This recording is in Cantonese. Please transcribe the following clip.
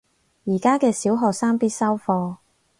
而家嘅小學生必修課